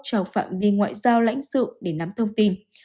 cho phạm viên ngoại giao lãnh sự để nắm thông tin